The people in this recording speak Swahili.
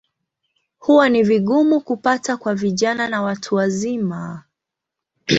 Huwa ni vigumu kupata kwa vijana na watu wazima.